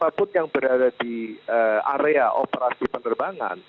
jadi siapapun yang berada di area operasi penerbangan